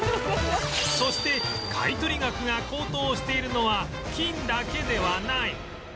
そして買取額が高騰しているのは金だけではない